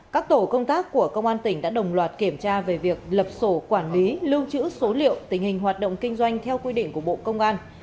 các tổ công tác của công an tỉnh đã đồng loạt kiểm tra về việc lập sổ quản lý lưu trữ số liệu tình hình hoạt động kinh doanh theo quy định của bộ công an